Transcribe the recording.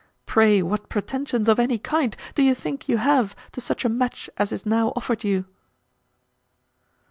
Pray what pretensions of any kind do you think you have to such a match as is now offered you?"